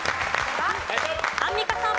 アンミカさん。